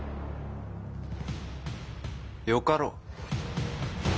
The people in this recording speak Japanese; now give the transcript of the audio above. よかろう。